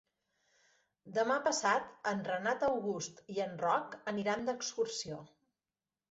Demà passat en Renat August i en Roc aniran d'excursió.